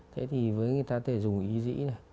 thế thì người ta có thể dùng ý dĩ này